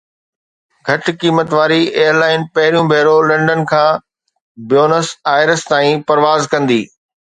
گھٽ قيمت واري ايئر لائن پهريون ڀيرو لنڊن کان بيونس آئرس تائين پرواز ڪندي